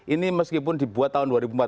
ini meskipun dibuat tahun dua ribu empat belas